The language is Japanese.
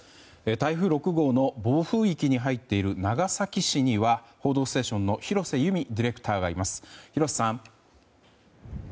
台風６号の暴風域に入っている長崎市には「報道ステーション」の廣瀬祐美ディレクターがいます。